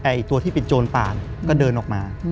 ตัวที่เป็นโจรป่าก็เดินออกมา